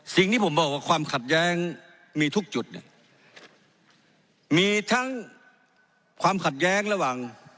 สิ่งที่ผมบอกว่าความขัดแย้งมีทุกจุดเนี่ยมีทั้งความขัดแย้งระหว่าง